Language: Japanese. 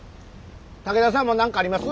武田さんも何かあります？